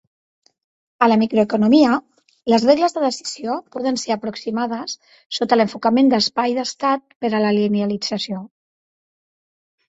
A la microeconomia, les regles de decisió poden ser aproximades sota l'enfocament d'espai d'estat per a la linealització.